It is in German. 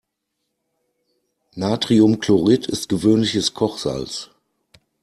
Natriumchlorid ist gewöhnliches Kochsalz.